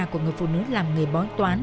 của người phụ nữ làm nghề bói toán